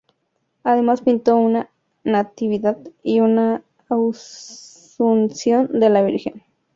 Además pintó una "Natividad" y una "Asunción de la Virgen".